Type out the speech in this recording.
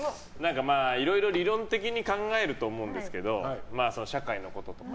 いろいろ理論的に考えると思うんですけど社会のこととか。